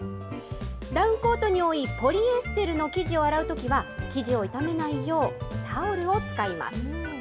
ダウンコートに多いポリエステルの生地を洗うときは、生地を傷めないよう、タオルを使います。